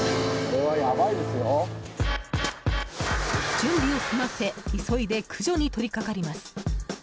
準備を済ませ急いで駆除に取りかかります。